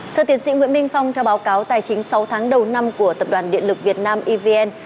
thưa tiến sĩ nguyễn minh phong theo báo cáo tài chính sáu tháng đầu năm của tập đoàn điện lực việt nam evn